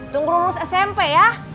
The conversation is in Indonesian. tunggu lulus smp ya